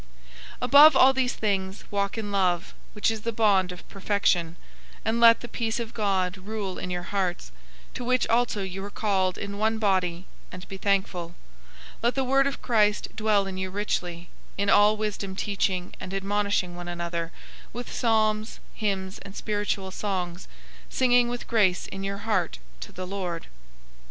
003:014 Above all these things, walk in love, which is the bond of perfection. 003:015 And let the peace of God rule in your hearts, to which also you were called in one body; and be thankful. 003:016 Let the word of Christ dwell in you richly; in all wisdom teaching and admonishing one another with psalms, hymns, and spiritual songs, singing with grace in your heart to the Lord.